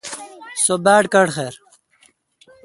سو باڑ کٹخر۔